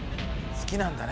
好きなんだね